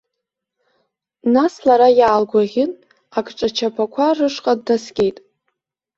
Нас лара иаалгәаӷьын, агҿачаԥақәа рышҟа днаскьеит.